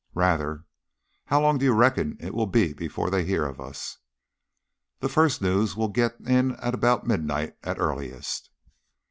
"Rather. How long do you reckon it will be before they hear of us?" "The first news will get in at about midnight at earliest."